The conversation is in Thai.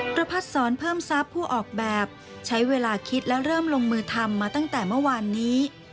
ประพัดศรเพิ่มทรัพย์ผู้ออกแบบใช้เวลาคิดและเริ่มลงมือทำมาตั้งแต่เมื่อวานนี้